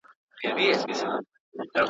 تښتي خوب له شپو څخه، ورځي لکه کال اوږدې.